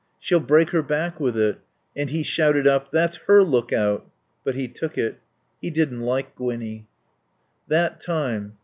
She'll break her back with it." And he shouted up, "That's her look out." (But he took it.) He didn't like Gwinnie. That time.